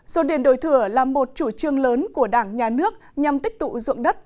dồn điền đổi thừa là một chủ trương lớn của đảng nhà nước nhằm tích tụ dụng đất